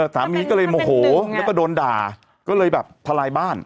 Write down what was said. สามีก็เลยโมโหแล้วก็โดนด่าก็เลยแบบทลายบ้าน